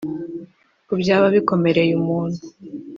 Ku byaha bikomereye umuntu